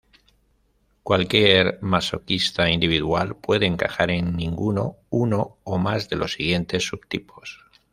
Cualquier masoquista individual puede encajar en ninguno, uno o más de los siguientes subtipos.